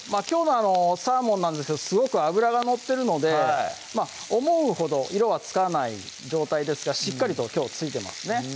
きょうのサーモンなんですけどすごく脂が乗ってるので思うほど色はつかない状態ですがしっかりときょうついてますね